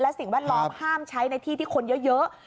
สิ่งแวดล้อมห้ามใช้ในที่ที่คนเยอะ